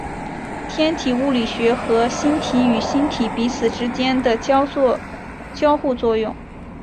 天体物理学和星体与星体彼此之间的交互作用。